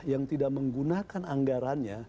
yang tidak menggunakan anggarannya